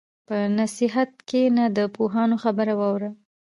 په نصیحت کښېنه، د پوهانو خبره واوره.